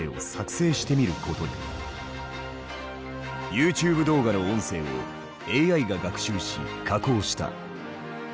ＹｏｕＴｕｂｅ動画の音声をＡＩが学習し加工した。